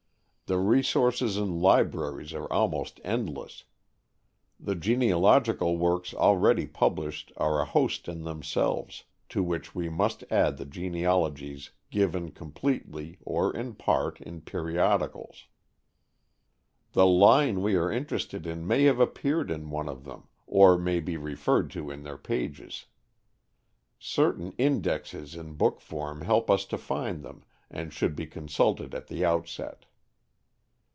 The resources in libraries are almost endless. The genealogical works already published are a host in themselves, to which we must add the genealogies given completely, or in part, in periodicals. The line we are interested in may have appeared in one of them, or may be referred to in their pages. Certain indexes in book form help us to find them, and should be consulted at the outset.